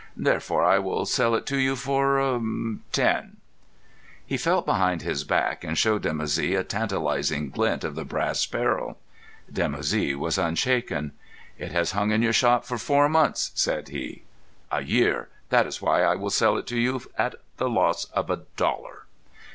Therefore, I will sell it to you for ten." He felt behind his back and showed Dimoussi a tantalising glint of the brass barrel. Dimoussi was unshaken. "It has hung in your shop for four months," said he. "A year. That is why I will sell it to you at the loss of a dollar."